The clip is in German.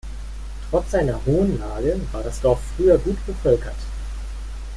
Trotz seiner hohen Lage war das Dorf früher gut bevölkert.